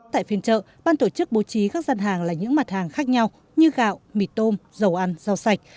tại phiên chợ ban tổ chức bố trí các dân hàng là những mặt hàng khác nhau như gạo mì tôm dầu ăn rau sạch